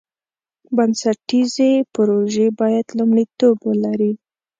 بنسټیزې پروژې باید لومړیتوب ولري.